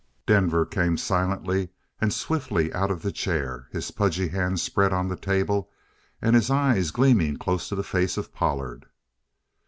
Denver came silently and swiftly out of the chair, his pudgy hand spread on the table and his eyes gleaming close to the face of Pollard.